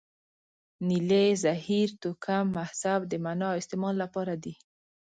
نیلې، زهیر، توکم، مهذب د معنا او استعمال لپاره دي.